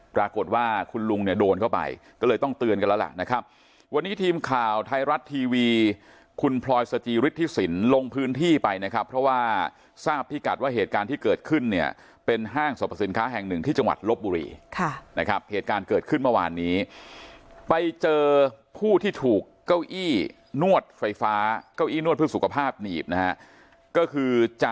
ปรากฏว่าคุณลุงเนี้ยโดนเข้าไปก็เลยต้องเตือนกันแล้วล่ะนะครับวันนี้ทีมข่าวไทยรัฐทีวีคุณพลอยสจริทธิสินลงพื้นที่ไปนะครับเพราะว่าทราบที่กัดว่าเหตุการณ์ที่เกิดขึ้นเนี้ยเป็นห้างสรรพสินค้าแห่งหนึ่งที่จังหวัดลบบุรีค่ะนะครับเหตุการณ์เกิดขึ้นเมื่อวานนี้ไปเจอผู้ที่ถูกเ